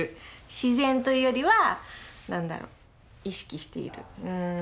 自然というよりは何だろう意識している。